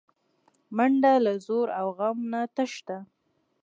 منډه له ځور او غم نه تښته